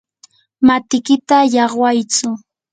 matikita llaqwaytsu.